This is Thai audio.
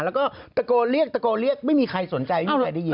แล้วก็ตะโกนเรียกตะโกนเรียกไม่มีใครสนใจไม่มีใครได้ยิน